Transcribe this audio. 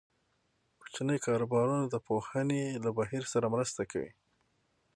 کوچني کاروبارونه د پوهنې له بهیر سره مرسته کوي.